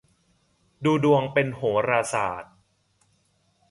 ดูดวงเป็นโหราศาสตร์